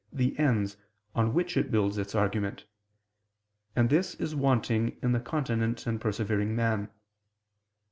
the ends, on which it builds its argument: and this is wanting in the continent and persevering man.